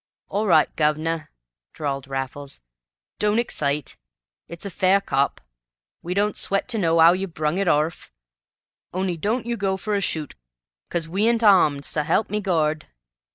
"All right, guv'nor," drawled Raffles; "don't excite. It's a fair cop. We don't sweat to know 'ow you brung it orf. On'y don't you go for to shoot, 'cos we 'int awmed, s'help me Gord!"